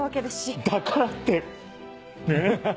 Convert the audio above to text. だからってねぇ！